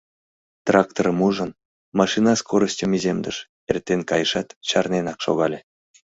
Тракторым ужын, машина скоростьым иземдыш, эртен кайышат, чарненак шогале.